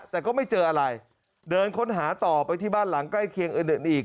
แต่ก็ไม่เจออะไรเดินค้นหาต่อไปที่บ้านหลังใกล้เคียงอื่นอีก